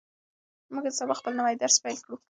موږ به سبا خپل نوی درس پیل کړو.